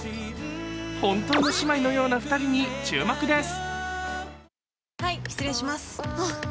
本当の姉妹のような２人に注目です。